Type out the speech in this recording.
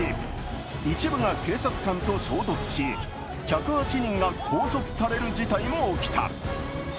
一部が警察官と衝突し１０８人が拘束される事態も起きた。